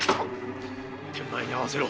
天満屋に会わせろ。